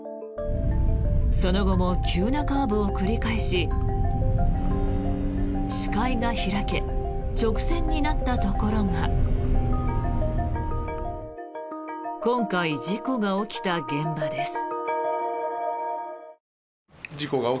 その後も急なカーブを繰り返し視界が開け直線になったところが今回、事故が起きた現場です。